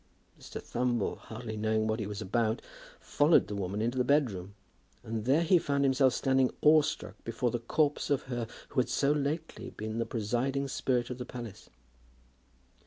Mr. Thumble, hardly knowing what he was about, followed the woman into the bedroom, and there he found himself standing awestruck before the corpse of her who had so lately been the presiding spirit of the palace.